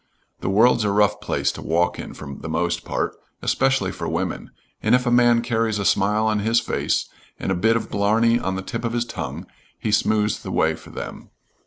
The world's a rough place to walk in for the most part, especially for women, and if a man carries a smile on his face and a bit of blarney on the tip of his tongue, he smooths the way for them.